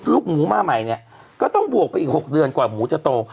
ลูกหมูมาใหม่เนี่ยก็ต้องบวกไปอีก๖เดือนกว่าหมูจะโต